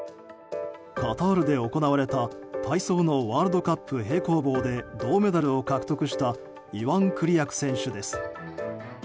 カタールで行われた体操のワールドカップ平行棒で銅メダルを獲得したイワン・クリアク選手です。